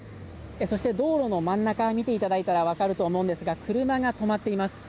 そして、道路の真ん中を見ていただいたら分かると思いますが車が止まっています。